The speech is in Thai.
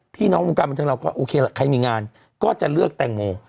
พี่น้องมุมกำจังเราก็โอเคละใครมีงานก็จะเลือกแตงโม